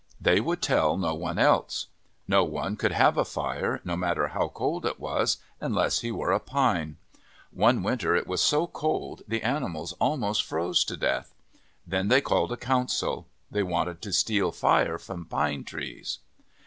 They would tell no one else. No one could have a fire, no matter how cold it was, unless he were a Pine. One winter it was so cold the animals almost froze to death. Then they called a council. They wanted to steal fire from Pine Trees.